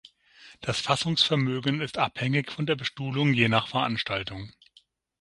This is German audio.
Das Fassungsvermögen ist abhängig von der Bestuhlung je nach Veranstaltung.